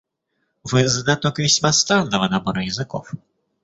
Вы знаток весьма странного набора языков.